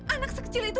anak sekecil itu